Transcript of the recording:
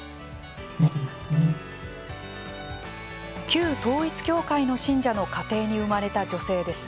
旧統一教会の信者の家庭に生まれた女性です。